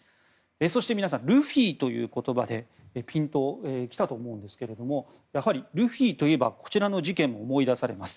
そして皆さんルフィという言葉でピンと来たと思いますがやはり、ルフィといえばこちらの事件が思い出されます。